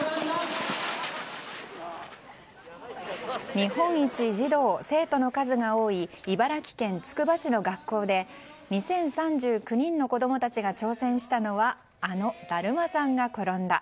日本一、児童・生徒の数が多い茨城県つくば市の学校で２０３９人の子供たちが挑戦したのはあの、だるまさんが転んだ。